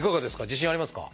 自信ありますか？